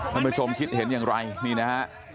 ท่านผู้ชมคิดเห็นอย่างไรนี่นะฮะ